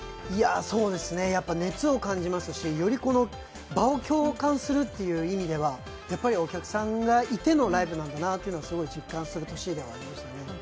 そうですね、熱を感じますしより場を共感するという意味ではやっぱりお客さんがいてのライブなんだなというのをすごい実感する年ではありました。